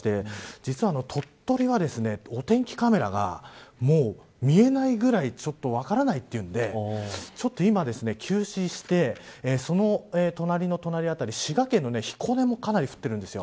実は鳥取はお天気カメラがもう見えないぐらい分からないというのでちょっと今、休止してその隣の隣辺り滋賀県の彦根もかなり降っています。